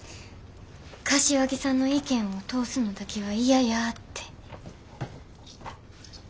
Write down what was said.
柏木さんの意見を通すのだけは嫌やって。